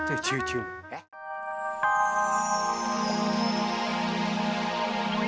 jangan lupa jo